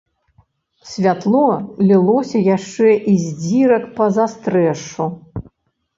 Святло лілося яшчэ і з дзірак па застрэшшу.